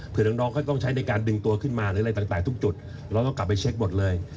เพื่อน้องเขาต้องใช้ในการดึงตัวขึ้นมาหรืออะไรต่างทุกจุดเราต้องกลับไปเช็คหมดเลย